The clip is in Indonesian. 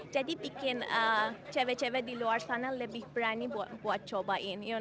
jadi bikin cewek cewek di luar sana lebih berani buat coba